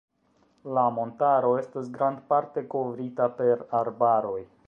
La montaro estas grandparte kovrita per arbaroj.